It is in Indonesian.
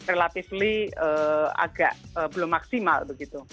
relatifly agak belum maksimal begitu